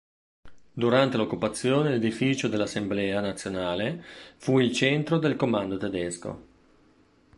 Durante l'occupazione, l'edificio dell'Assemblea nazionale fu il centro del comando tedesco.